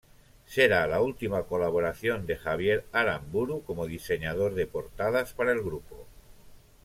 Será la última colaboración de Javier Aramburu como diseñador de portadas para el grupo.